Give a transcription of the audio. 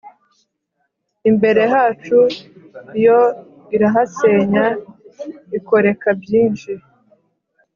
Imbere hacu yo irahasenya ikoreka byinshi